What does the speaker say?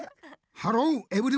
ハローエブリワン。